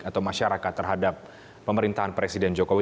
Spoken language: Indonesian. atau masyarakat terhadap pemerintahan presiden jokowi